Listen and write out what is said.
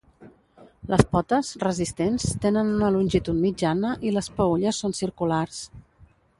Les potes, resistents, tenen una longitud mitjana i les peülles són circulars.